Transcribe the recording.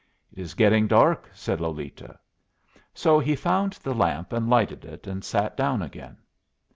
"It is getting dark," said Lolita. So he found the lamp and lighted it, and sat down again.